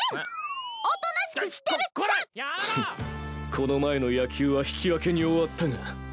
この前の野球は引き分けに終わったが。